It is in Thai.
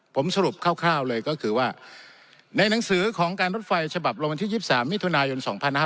ผมสรุปคร่าวเลยก็คือว่าในหนังสือของการรถไฟฉบับลงวันที่๒๓มิถุนายน๒๕๕๙